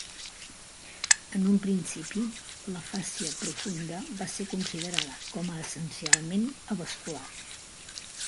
En un principi, la fàscia profunda va ser considerada com a essencialment avascular.